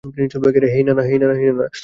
হেই, নানা।